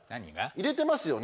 入れてますよね？